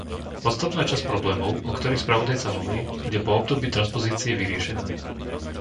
Podstatná časť problémov, o ktorých spravodajca hovorí, bude po období transpozície vyriešená.